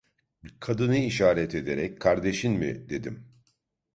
Kadını işaret ederek: "Kardeşin mi?" dedim.